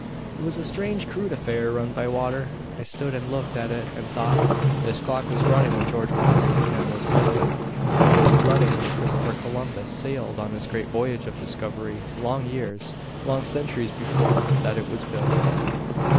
It was a strange, crude affair, run by water. I stood and looked at it and thought, "This clock was running when George Washington was president; it was running when Christopher Columbus sailed on his great voyage of discovery; long years, long centuries before that it was built."